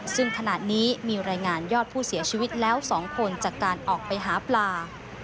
ซึ่งขณะนี้มีรายงานยอดผู้เสียชีวิตแล้ว๒คนจากการออกไปหาปลา